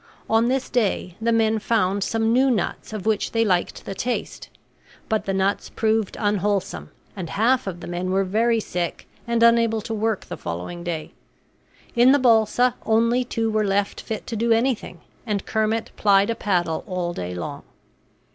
On this day the men found some new nuts of which they liked the taste; but the nuts proved unwholesome and half of the men were very sick and unable to work the following day. In the balsa only two were left fit to do anything, and Kermit plied a paddle all day long.